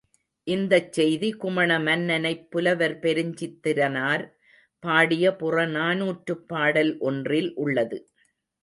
இந்தச் செய்தி, குமண மன்னனைப் புலவர் பெருஞ் சித்திரனார் பாடிய புறநானூற்றுப்பாடல் ஒன்றில் உள்ளது.